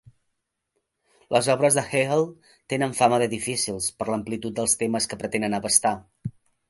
Les obres de Hegel tenen fama de difícils per l'amplitud dels temes que pretenen abastar.